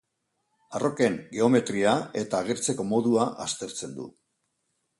Arroken geometria eta agertzeko modua aztertzen du.